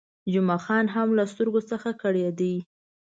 جمعه خان هم له سترګو څخه کړېده.